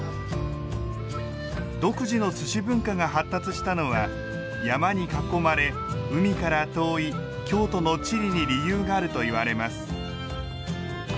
独自の寿司文化が発達したのは山に囲まれ海から遠い京都の地理に理由があるといわれます。